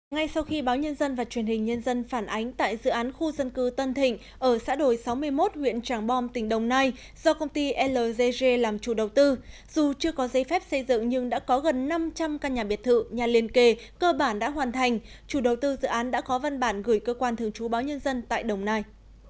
ngay sau khi báo nhân dân và truyền hình nhân dân phản ánh tại dự án khu dân cư tân thịnh ở xã đồi sáu mươi một huyện tràng bom tỉnh đồng nai do công ty lgg làm chủ đầu tư dù chưa có giấy phép xây dựng nhưng đã có gần năm trăm linh căn nhà biệt thự nhà liên kề cơ bản đã hoàn thành chủ đầu tư dự án đã có văn bản gửi cơ quan thường trú báo nhân dân tại đồng nai